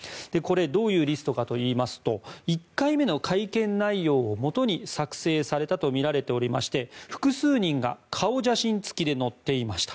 どういうリストかといいますと１回目の会見内容をもとに作成されたとみられておりまして複数人が顔写真付きで載っていました。